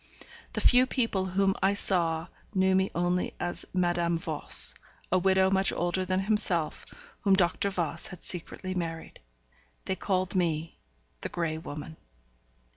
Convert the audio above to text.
The few people whom I saw knew me only as Madame Voss; a widow much older than himself, whom Dr. Voss had secretly married. They called me the Grey Woman.